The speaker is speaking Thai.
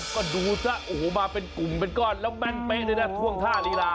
ก็ดูซะโอ้โหมาเป็นกลุ่มเป็นก้อนแล้วแม่นเป๊ะเลยนะท่วงท่าลีลา